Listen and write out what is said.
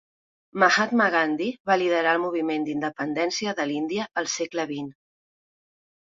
Mahatma Gandhi va liderar el moviment d'independència de l'Índia al segle vint.